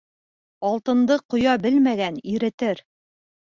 Алтынды ҡоя белмәгән иретер